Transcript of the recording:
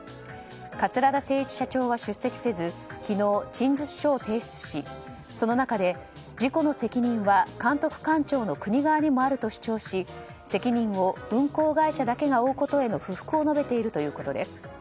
桂田精一社長は出席せず昨日、陳述書を提出しその中で事故の責任は監督官庁の国側にもあると主張し責任を運航会社だけが負うことへの不服を述べているということです。